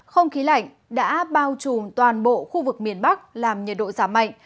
không khí lạnh đã bao trùm toàn bộ khu vực miền bắc làm nhiệt độ giảm mạnh